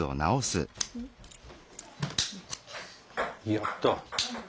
やった。